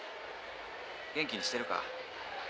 元気にしてるか？